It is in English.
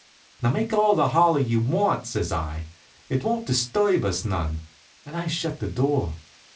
"Now make all the holler you want," says I. "It won't disturb us none," and I shut the door.